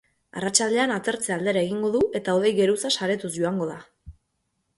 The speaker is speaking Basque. Arratsaldean atertze aldera egingo du eta hodei geruza saretuz joango da.